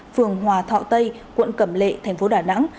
phường hòa thọ tây quận cẩm lệ tp đà nẵng